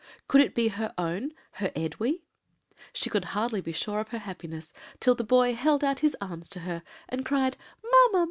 Could it be her own her Edwy? She could hardly be sure of her happiness till the boy held out his arms to her, and cried, 'Mamma!